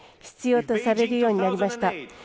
必要とされるようになりました。